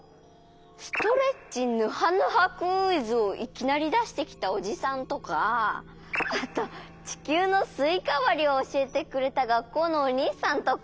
ストレッチヌハヌハクイズをいきなりだしてきたおじさんとかあとちきゅうのすいかわりをおしえてくれたがっこうのおにいさんとか。